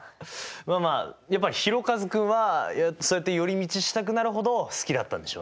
まあまあやっぱりひろかず君はそうやって寄り道したくなるほど好きだったんでしょうね。